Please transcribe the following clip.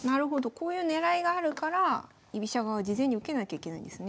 こういう狙いがあるから居飛車側は事前に受けなきゃいけないんですね。